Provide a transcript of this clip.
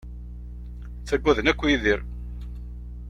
Ttaggaden akk Yidir.